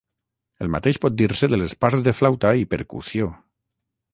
El mateix pot dir-se de les parts de flauta i percussió.